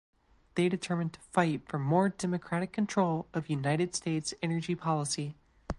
They determined to fight for more democratic control of United States energy policy.